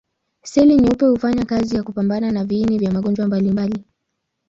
Seli nyeupe hufanya kazi ya kupambana na viini vya magonjwa mbalimbali.